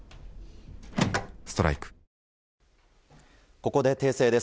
ここで訂正です。